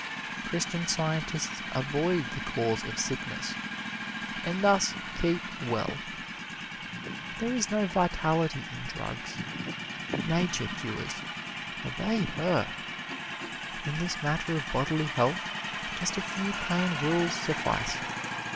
Christian Scientists avoid the cause of sickness, and thus keep well. There is no vitality in drugs. Nature cures obey her. In this matter of bodily health just a few plain rules suffice.